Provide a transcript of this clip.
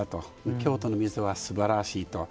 京都の水はすばらしいと。